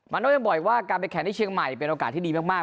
โน้ยังบอกว่าการไปแข่งที่เชียงใหม่เป็นโอกาสที่ดีมาก